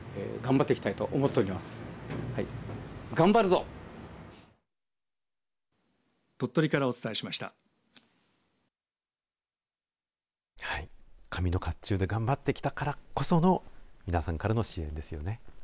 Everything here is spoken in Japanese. はい、紙のかっちゅうで頑張ってきたからこその皆さんからの支援ですね。